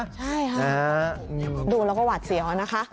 ใช่ค่ะดูแล้วก็หวาดเสียวนะคะ